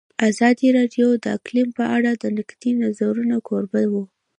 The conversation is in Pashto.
ازادي راډیو د اقلیم په اړه د نقدي نظرونو کوربه وه.